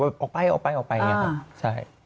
ออกไปออกไปออกไปอย่างนี้ครับใช่